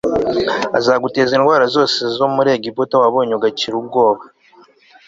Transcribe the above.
azaguteza indwara zose zo muri egiputa wabonye ukagira ubwoba